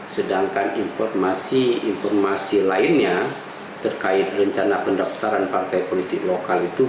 sedangkan informasi informasi lainnya terkait rencana pendaftaran partai politik lokal itu